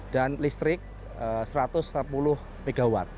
dan listrik satu ratus sepuluh megawatt